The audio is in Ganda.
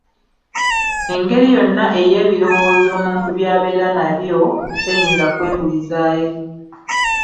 Engeri yonna ey'ebirowoozo omuntu by'abeera nabyo, teyinza kwebulizaayo.